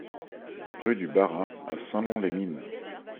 Rue du Barrat à Saint-Lon-les-Mines